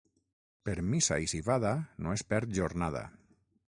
Per missa i civada no es perd jornada.